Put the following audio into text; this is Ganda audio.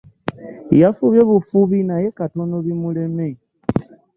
Yafubye bufubi naye katono bimuleme.